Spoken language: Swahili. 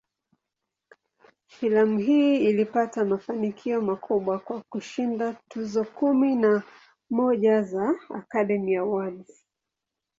Filamu hii ilipata mafanikio makubwa, kwa kushinda tuzo kumi na moja za "Academy Awards".